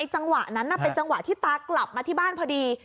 จังหวะนั้นเป็นจังหวะที่ตากลับมาที่บ้านพอดี